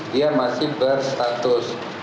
dia masih berstatus